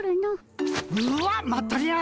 うわっまったり屋。